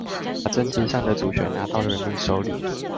把政治上的主權拿到人民手裡